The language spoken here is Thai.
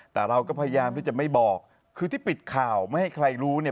แต่เราก็พยายามที่จะไม่บอกคือที่ปิดข่าวไม่ให้ใครรู้เนี่ย